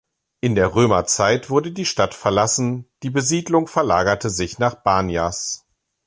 In der Römerzeit wurde die Stadt verlassen, die Besiedelung verlagerte sich nach Banyas.